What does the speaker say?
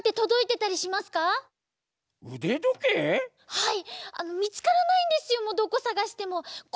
☎はい。